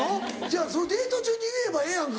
デート中に言えばええやんか。